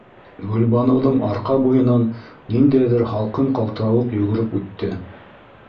Гөлбаныуҙың арҡа буйынан ниндәйҙер һалҡын ҡалтырауыҡ йүгереп үтте.